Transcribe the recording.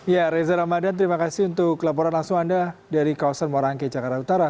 ya reza ramadan terima kasih untuk laporan langsung anda dari kawasan morangke jakarta utara